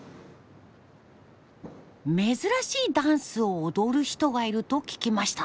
珍しいダンスを踊る人がいると聞きました。